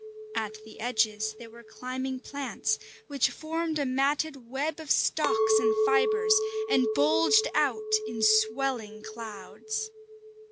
At the edges there were climbing plants, which formed a matted web of stalks and fibres, and bulged out in swelling clouds.